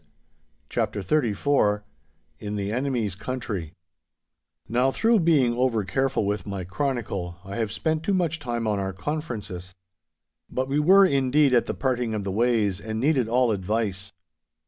*CHAPTER XXXIV* *IN THE ENEMY'S COUNTRY* Now, through being over careful with my chronicle, I have spent too much time on our conferences. But we were, indeed, at the parting of the ways, and needed all advice.